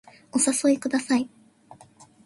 お誘いください